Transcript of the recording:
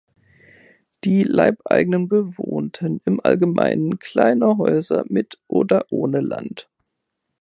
Die Leibeigenen bewohnten im Allgemeinen kleine Häuser, mit oder ohne Land.